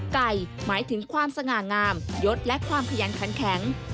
หมายถึงความสง่างามยศและความขยันขันแข็ง